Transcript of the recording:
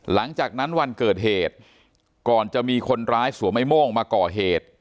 หลังจากนั้นวันเกิดเหตุก่อนจะมีคนร้ายสวมไอ้โม่งมาก่อเหตุ